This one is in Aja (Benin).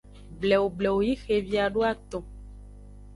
Blewu blewu yi xevi ado aton.